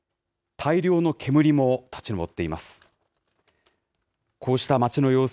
大量の煙も立ち上っています。